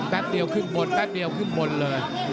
แป๊บเดียวครึ่งบนแป๊บเดียวครึ่งบนเลย